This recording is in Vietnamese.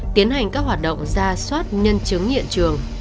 tiến hành các hoạt động ra soát nhân chứng hiện trường